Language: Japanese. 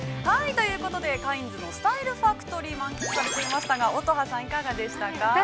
◆ということでカインズのスタイルファクトリー、満喫されていましたが、乙葉さん、いかがでしたか。